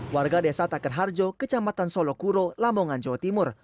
warga desa taker harjo kecamatan solokuro lamongan jawa timur